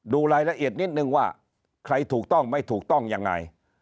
ดูรายละเอียดนิดนึงว่าใครถูกต้องไม่ถูกต้องยังไง